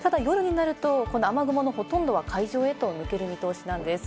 ただ夜になると雨雲のほとんどは海上へと抜ける見通しです。